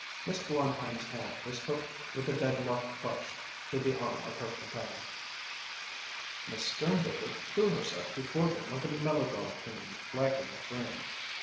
Miss Blondheim's hand was hooked with a deadlock clutch to the arm of her companion. Miss Sternberger threw herself before them like a melodrama queen flagging a train.